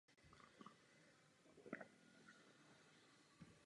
Po válce se označení vžilo pro cokoli s velkým společenským dopadem.